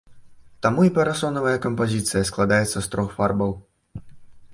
Таму і парасонавая кампазіцыя складаецца з трох фарбаў.